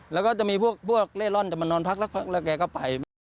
แล้วก็จะมีพวกเล่ร่อนจะมานอนพักแล้วแกก็ไป